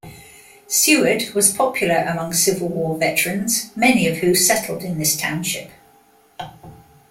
Seward was popular among Civil War veterans, many of who settled in this township.